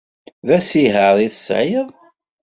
D asiher i tesɛiḍ?